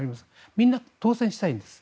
みんな当選したいんです。